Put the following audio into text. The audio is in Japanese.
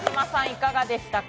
いかがでしたか。